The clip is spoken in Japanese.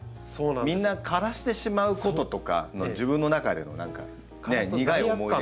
みんな枯らしてしまうこととか自分の中での何かね苦い思い出が。